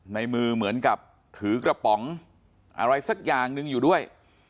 ในมือเหมือนกับถือกระป๋องอะไรสักอย่างหนึ่งอยู่ด้วย